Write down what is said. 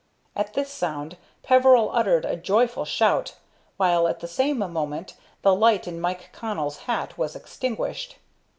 At this sound Peveril uttered a joyful shout, while at the same moment the light in Mike Connell's hat was extinguished.